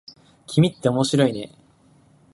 君って面白いね。